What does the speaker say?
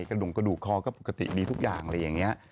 กระดูกกระดูกคอก็ปกติดีทุกอย่างอะไรอย่างนี้